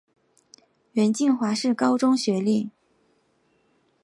袁敬华是高中学历。